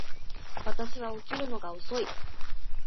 私は起きるのが遅い